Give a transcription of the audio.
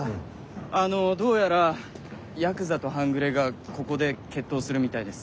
あのどうやらヤクザと半グレがここで決闘するみたいです。